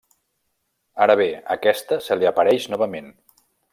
Ara bé, aquesta se li apareix novament.